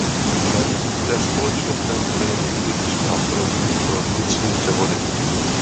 Navíc bude společnostem odejmut užitečný nástroj pro vnitřní převody.